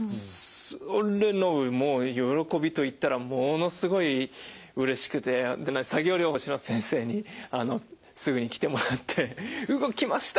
それのもう喜びといったらものすごいうれしくて作業療法士の先生にすぐに来てもらって「動きました！」。